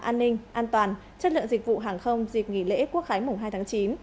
an ninh an toàn chất lượng dịch vụ hàng không dịp nghỉ lễ quốc khái mùng hai tháng chín